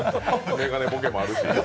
眼鏡ボケもあるし。